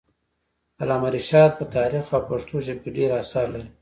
علامه رشاد په تاریخ او پښتو ژبه کي ډير اثار لري.